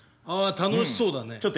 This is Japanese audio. あ楽しそうだね。